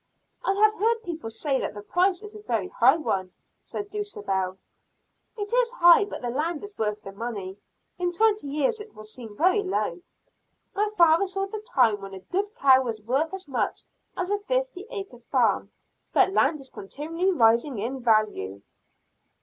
"I have heard people say the price is a very high one," said Dulcibel. "It is high but the land is worth the money. In twenty years it will seem very low. My father saw the time when a good cow was worth as much as a fifty acre farm, but land is continually rising in value."